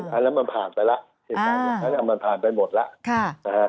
อันนั้นมันผ่านไปแล้วมันผ่านไปหมดแล้ว